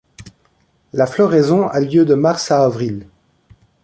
La floraison a lieu de mars à avril.